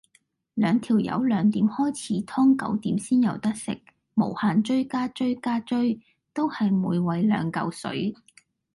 兩條友兩點開始劏九點先有得食，無限追加追加追，都係每位兩舊水